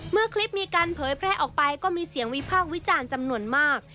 เมื่อคลิปมีการเผยแพร่ออกไปก็มีเสียงวิพากษ์วิจารณ์จำนวนมาก